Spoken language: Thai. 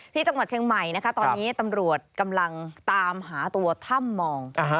ที่จังหวัดเชียงใหม่นะคะตอนนี้ตำรวจกำลังตามหาตัวถ้ำมอง